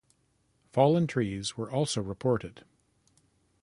Fallen trees were also reported.